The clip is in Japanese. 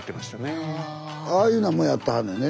ああいうなんもやってはんねんね。